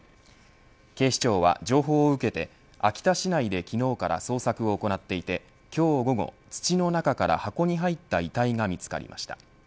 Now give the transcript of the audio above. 警視庁は情報を受けて秋田市内で昨日から捜索を行っていて今日、午後土の中から箱に入った遺体が見つかりました。